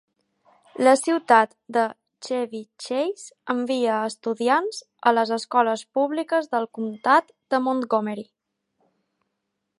La ciutat de Chevy Chase envia estudiants a les escoles públiques del comtat de Montgomery.